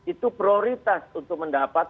itu prioritas untuk mendapat